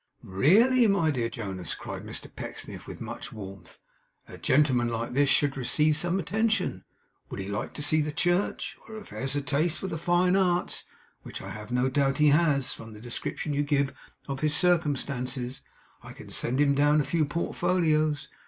'Really, my dear Jonas,' cried Mr Pecksniff, with much warmth, 'a gentleman like this should receive some attention. Would he like to see the church? or if he has a taste for the fine arts which I have no doubt he has, from the description you give of his circumstances I can send him down a few portfolios.